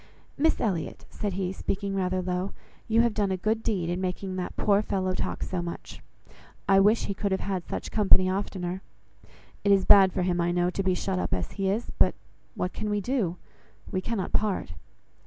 "Miss Elliot," said he, speaking rather low, "you have done a good deed in making that poor fellow talk so much. I wish he could have such company oftener. It is bad for him, I know, to be shut up as he is; but what can we do? We cannot part."